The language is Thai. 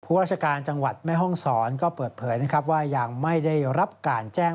ราชการจังหวัดแม่ห้องศรก็เปิดเผยนะครับว่ายังไม่ได้รับการแจ้ง